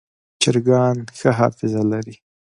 چرګان ښه حافظه لري.